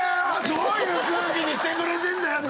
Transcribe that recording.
どういう空気にしてくれてんだよと。